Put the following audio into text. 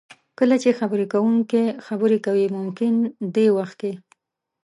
کله چې خبرې کوونکی خبرې کوي ممکن دې وخت کې